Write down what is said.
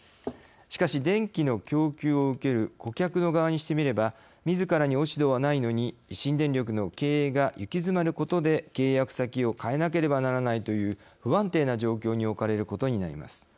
しかし、電気の供給を受ける顧客の側にしてみればみずからに落ち度はないのに新電力の経営が行き詰まることで契約先を変えなければならないという不安定な状況に置かれることになります。